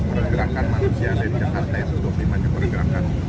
pergerakan manusia di jakarta itu dua puluh lima nya pergerakan